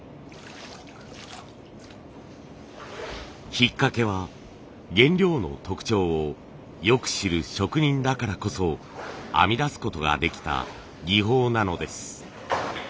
ひっかけは原料の特徴をよく知る職人だからこそ編み出すことができた技法なのです。